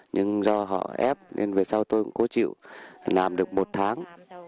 nhưng do họ ép nên về sau tôi cũng có chịu làm được một tháng